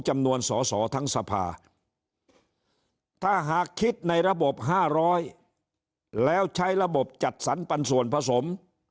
จำนวนสอสอทั้งสภาถ้าหากคิดในระบบ๕๐๐แล้วใช้ระบบจัดสรรปันส่วนผสม